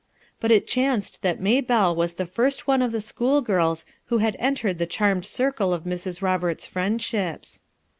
But it chanced that Maybelle was the first one of the school girls who had entered the charmed circle of Mrs. Roberts's friendships.